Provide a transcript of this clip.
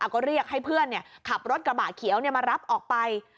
ก็เรียกให้เพื่อนขับรถกระบะเขียวมารับออกไป